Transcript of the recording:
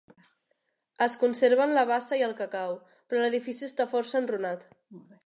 Es conserven la bassa i el cacau, però l'edifici està força enrunat.